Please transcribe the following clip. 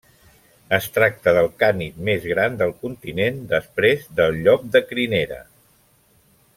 Es tracta del cànid més gran del continent després del llop de crinera.